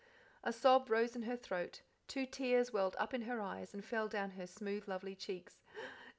A sob rose in her throat, two tears welled up in her eyes and fell down her smooth, lovely cheeks.